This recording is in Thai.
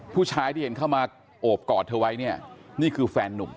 ผู้ชายที่เห็นเข้ามาโอบกอดเธอไว้เนี่ยนี่คือแฟนนุ่ม